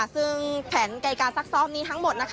ซึ่งแผนกายการสรรค์ซอบนี้ทั้งหมด